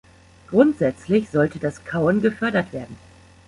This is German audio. Grundsätzlich sollte das Kauen gefördert werden.